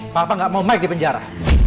papa nggak mau mike di penjara